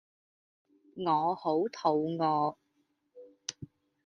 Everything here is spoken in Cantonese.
我好肚餓